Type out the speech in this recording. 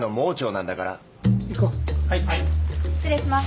失礼します。